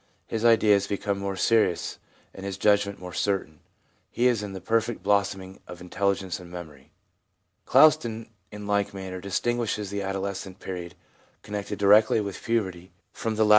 His ideas become more serious and his judgment more certain. He is in the perfect blossoming of intelligenceand memory/ 2 Clouston, in like manner, distinguishes the adolescent period, connected directly with puberty, from the later 1 Havelock Ellis, Man and Woman, p.